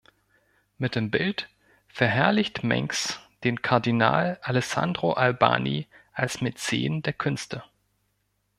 Mit dem Bild verherrlicht Mengs den Kardinal Alessandro Albani als Mäzen der Künste.